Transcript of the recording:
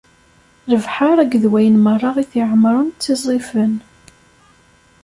Lebḥer akked wayen merra i t-iɛemren, ttiẓẓifen.